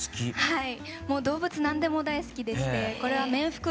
はい。